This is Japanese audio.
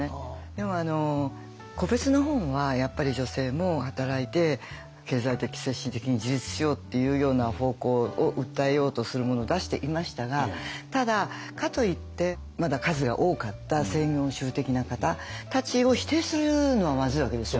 でも個別の本はやっぱり女性も働いて経済的精神的に自立しようっていうような方向を訴えようとするものを出していましたがただかといってまだ数が多かった専業主婦的な方たちを否定するのはまずいわけですよ。